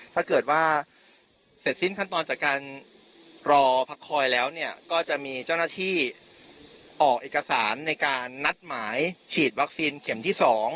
ถ้าเกิดว่าเสร็จสิ้นขั้นตอนจากการรอพักคอยแล้วเนี่ยก็จะมีเจ้าหน้าที่ออกเอกสารในการนัดหมายฉีดวัคซีนเข็มที่๒